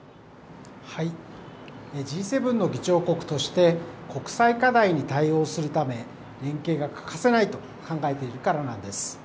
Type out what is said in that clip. Ｇ７の議長国として、国際課題に対応するため、連携が欠かせないと考えているからです。